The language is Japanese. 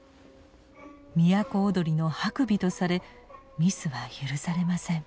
都をどりの白眉とされミスは許されません。